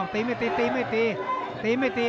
ตีไม่ตีตีไม่ตี